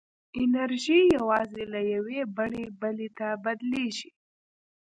انرژي یوازې له یوې بڼې بلې ته بدلېږي.